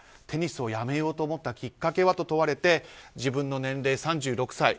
テニスをやめようと思ったきっかけはと問われて自分の年齢、３６歳。